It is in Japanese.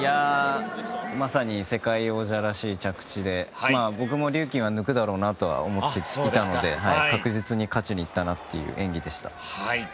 まさに世界王者らしい着地で僕もリューキンは抜くだろうなと思っていたので確実に勝ちに行ったなという演技でした。